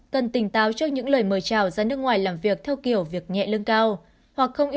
cần tỉnh táo trước những lời mời trào ra nước ngoài làm việc theo kiểu việc nhẹ lưng cao